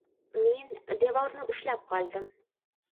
Men devorni ushlab qoldim.